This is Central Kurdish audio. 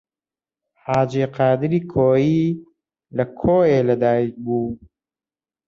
حاجی قادری کۆیی لە کۆیە لەدایک بوو.